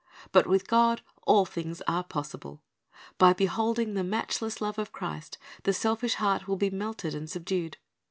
But with God all things are possible. By beholding the matchless love of Christ, the selfish heart will be melted and subdued.